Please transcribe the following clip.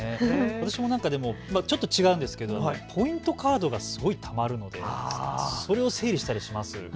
私はちょっと違うんですがポイントカードがすごいたまるんでそれを整理したりします。